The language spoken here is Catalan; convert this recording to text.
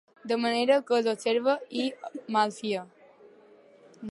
De manera que els observa i malfia.